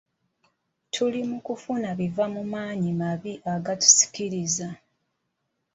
Tuli mu kufuna biva mu maanyi amabi agatusikiriza.